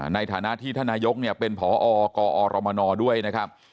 ในฐานะที่ท่านนายกเนี่ยเป็นพอกอรมนด้วยนะครับ